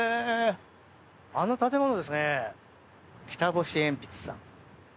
あの建物ですね、北星鉛筆さん。